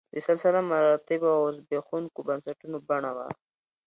د سلسله مراتبو او زبېښونکو بنسټونو بڼه وه